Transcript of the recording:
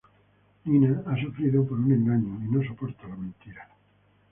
Nina ha sufrido por un engaño y no soporta la mentira.